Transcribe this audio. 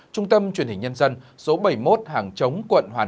trung tâm truyền hình nhân dân số bảy mươi một hàng chống quận hoàn động sản